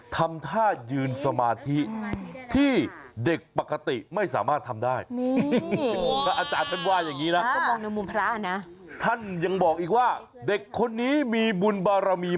ทำท่ายืนสมาธิที่เด็กปกติไม่สามารถทำได้